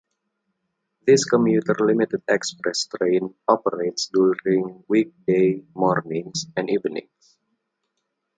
This Commuter Limited Express train operates during weekday mornings and evenings.